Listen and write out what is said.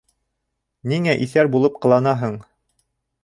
Ниңә иҫәр булып ҡыланаһың?